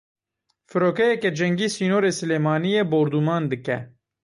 Firokeyeke cengî sînorê Silêmaniyê bordûman dike.